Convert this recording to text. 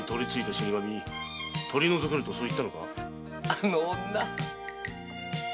あの女。